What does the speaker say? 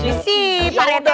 tadi sih pak rete